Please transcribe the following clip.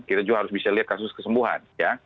kita juga harus bisa lihat kasus kesembuhan ya